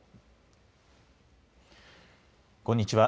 こんにちは。